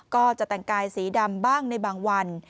ก็จะแต่งกายสีดำบ้างในบางวัน